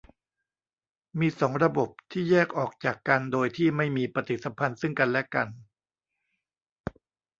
มีสองระบบ ที่แยกออกจากกัน โดยที่ไม่มีปฏิสัมพันธ์ซึ่งกันและกัน